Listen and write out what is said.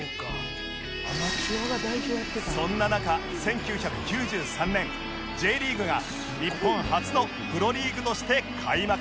そんな中１９９３年 Ｊ リーグが日本初のプロリーグとして開幕